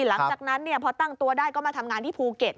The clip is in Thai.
หลังจากนั้นพอตั้งตัวได้ก็มาทำงานที่ภูเก็ต